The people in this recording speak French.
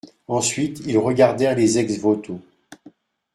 Ensuite ils regardèrent les ex-voto.